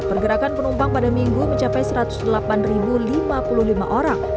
pergerakan penumpang pada minggu mencapai satu ratus delapan lima puluh lima orang